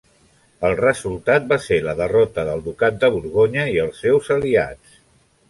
El resultat va ser la derrota del Ducat de Borgonya i els seus aliats.